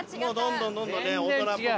どんどんどんどん大人っぽく。